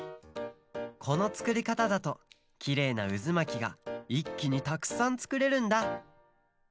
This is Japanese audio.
このつくりかただときれいなうずまきがいっきにたくさんつくれるんだ。